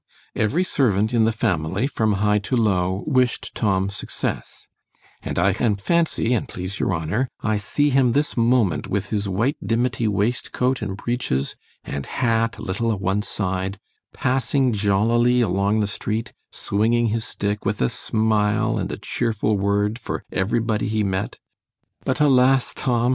Every servant in the family, from high to low, wish'd Tom success; and I can fancy, an' please your honour, I see him this moment with his white dimity waist coat and breeches, and hat a little o' one side, passing jollily along the street, swinging his stick, with a smile and a chearful word for every body he met:——But alas! _Tom!